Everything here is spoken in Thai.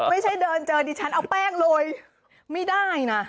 ไม่ใช่เดินเจอดิฉันเอาแป้งโรยไม่ได้นะ